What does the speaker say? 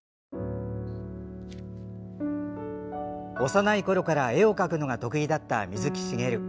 幼いころから絵を描くのが得意だった水木しげる。